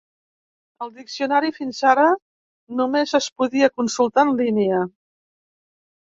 El diccionari fins ara només es podia consultar en línia.